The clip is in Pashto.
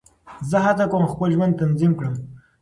زه هڅه کوم خپل ژوند تنظیم کړم.